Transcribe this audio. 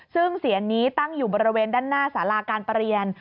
ซึ่งเสียนนี้ตั้งอยู่บริเวณด้านหน้าสาราการประเรียน